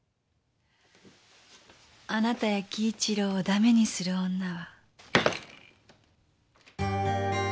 あなたや輝一郎をダメにする女は。